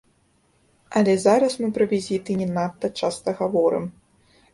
Але зараз мы пра візіты не надта часта гаворым.